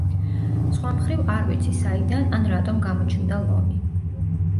სხვა მხრივ, არ ვიცი, საიდან ან რატომ გამოჩნდა ლომი.